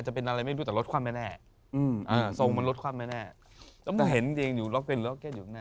เห็นหน้าท่านอยู่ที่ระเบิดผม